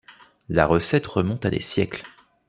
La recette remonte à des siècles.